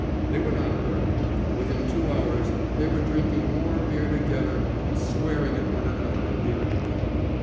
They were not hurt, and within two hours they were drinking more beer together and swearing at one another endearingly.